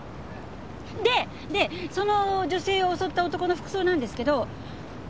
でその女性を襲った男の服装なんですけど。